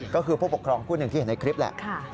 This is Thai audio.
ก็คือผู้ปกครองผู้หนึ่งที่เห็นในคลิปแหละ